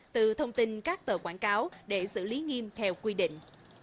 từ thông tin các tờ quảng cáo để xử lý nghiêm theo quy định